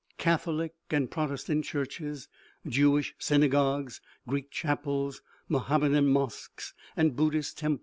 Catholic and Protestant churches, Jewish synagogues, Greek chapels, Mohammedan mosques and Buddhist tern 172 OMEGA.